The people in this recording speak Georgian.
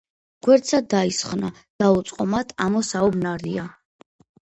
გვერდსა დაისხნა, დაუწყო მათ ამო საუბნარია